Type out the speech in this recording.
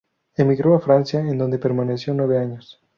Emigró a Francia, en donde permaneció nueve años.